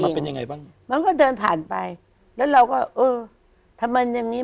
มันเป็นยังไงบ้างมันก็เดินผ่านไปแล้วเราก็เออทำไมอย่างงี้